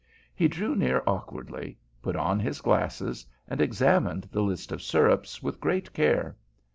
He drew near awkwardly, put on his glasses, and examined the list of syrups with great care.